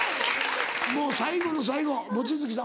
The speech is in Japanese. もう最後の最後望月さん